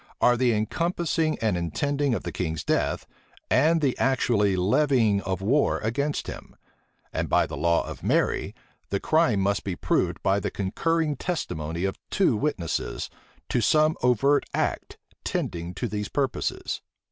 are the compassing and intending of the king's death, and the actually levying of war against him; and by the law of Mary, the crime must be proved by the concurring testimony of two witnesses, to some overt act, tending to these purposes.